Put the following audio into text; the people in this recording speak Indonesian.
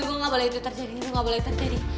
gue ga boleh itu terjadi